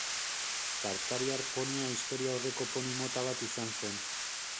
Tartariar ponia historiaurreko poni mota bat izan zen.